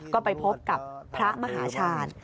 ก็ไปพบกับพระมหาชาญ